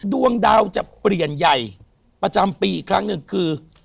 ดวงดาวจะเปลี่ยนใหญ่ประจำปีอีกครั้งหนึ่งคือ